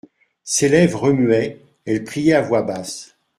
Ses lèvres remuaient ; elle priait à voix basse.